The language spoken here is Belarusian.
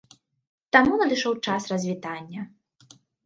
Таму надышоў час развітання.